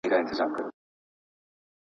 زعفران د سولې په وخت کې ډېر غوړېږي.